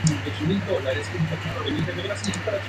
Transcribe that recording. Dispuso de un templo amurallado datado a finales del Imperio Medio.